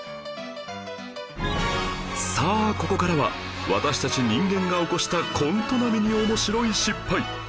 さあここからは私たち人間が起こしたコント並みに面白い失敗